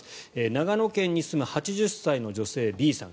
長野県に住む８０歳の女性、Ｂさん